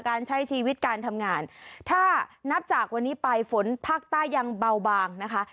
การใช้ชีวิตการทำงานถ้านับจากวันนี้ไปฝนภาคใต้ยังเบาบางนะคะ